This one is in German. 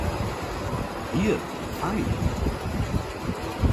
Hier, fang!